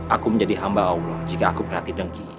aku menjadi hamba allah jika aku berarti dengki